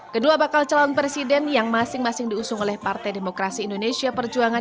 kedua bakal calon presiden yang masing masing diusung oleh partai demokrasi indonesia perjuangan